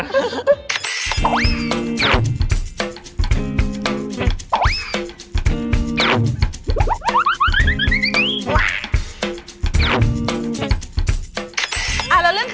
เสร็จแล้วค่ะ